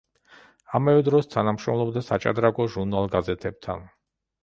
ამავე დროს თანამშრომლობდა საჭადრაკო ჟურნალ-გაზეთებთან.